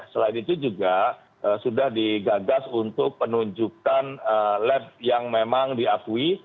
selain itu juga sudah digagas untuk penunjukan lab yang memang diakui